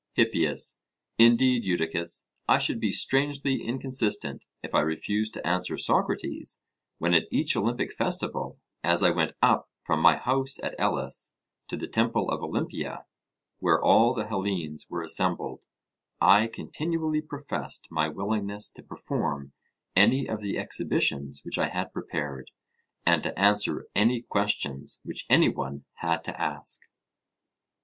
HIPPIAS: Indeed, Eudicus, I should be strangely inconsistent if I refused to answer Socrates, when at each Olympic festival, as I went up from my house at Elis to the temple of Olympia, where all the Hellenes were assembled, I continually professed my willingness to perform any of the exhibitions which I had prepared, and to answer any questions which any one had to ask.